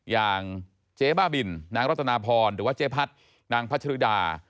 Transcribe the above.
อย่างเจ๊บ้าบินนางรัตนาพรหรือว่าเจ๊พัดนางพัชริดา